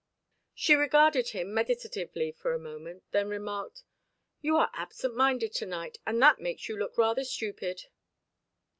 She regarded him meditatively for a moment, then remarked; "You are absent minded to night, and that makes you look rather stupid."